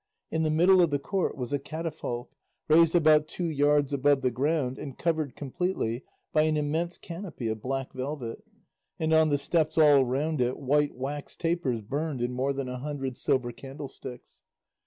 In the middle of the court was a catafalque, raised about two yards above the ground and covered completely by an immense canopy of black velvet, and on the steps all round it white wax tapers burned in more than a hundred silver candlesticks.